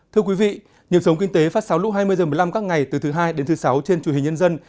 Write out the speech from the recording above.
thưa quý vị nhiệm sống kinh tế phát sóng lúc hai mươi h một mươi năm các ngày từ thứ hai đến thứ sáu trên truyền hình nhân dân